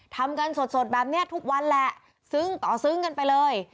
ทำกันสดแบบนี้ทุกวันแหละซึ้งต่อซึ้งกันไปเลย